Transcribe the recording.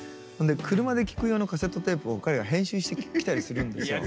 車で聴く用のカセットテープを彼が編集してきたりするんですよ。